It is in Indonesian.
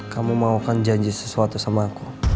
kamu mau kan janji sesuatu sama aku